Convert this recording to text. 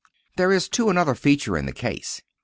There is, too, another feature in the case.